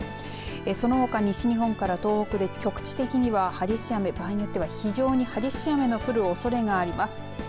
そのほか西日本から東北で局地的には激しい雨、場合によっては非常に激しい雨の降るおそれがあります。